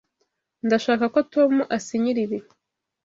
Ndashaka ko Tom asinyira ibi.